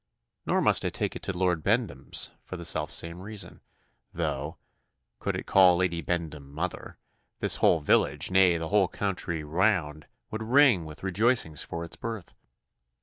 Nor must I take it to Lord Bendham's for the self same reason, though, could it call Lady Bendham mother, this whole village, nay, the whole country round, would ring with rejoicings for its birth.